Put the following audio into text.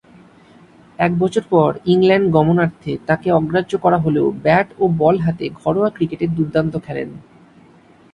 এক বছর পর ইংল্যান্ড গমনার্থে তাকে অগ্রাহ্য করা হলেও ব্যাট ও বল হাতে ঘরোয়া ক্রিকেটে দূর্দান্ত খেলেন।